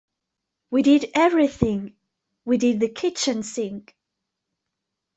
We did everything - we did the kitchen sink!